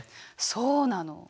そうなの。